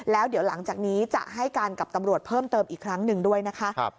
แล้วเดี๋ยวหลังจากนี้จะให้การกับตำรวจเพิ่มเติมอีกครั้งหนึ่งด้วยนะคะ